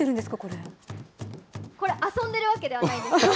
これ、遊んでるわけではないんですよ。